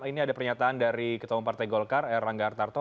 ini ada pernyataan dari ketua umum partai golkar erlangga artarto